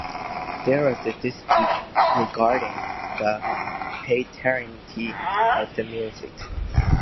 There was a dispute regarding the paternity of the music.